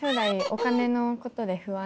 お金のことで不安。